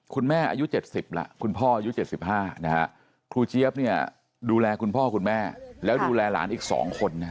อายุ๗๐แล้วคุณพ่ออายุ๗๕นะฮะครูเจี๊ยบเนี่ยดูแลคุณพ่อคุณแม่แล้วดูแลหลานอีก๒คน